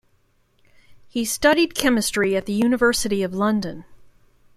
He studied chemistry at the University of London.